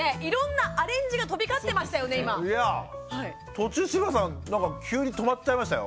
途中志村さんなんか急に止まっちゃいましたよ。